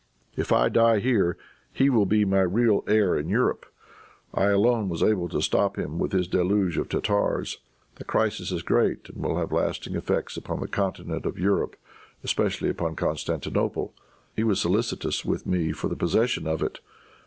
"If I die here he will be my real heir in Europe. I alone was able to stop him with his deluge of Tartars. The crisis is great, and will have lasting effects upon the continent of Europe, especially upon Constantinople. He was solicitous with me for the possession of it.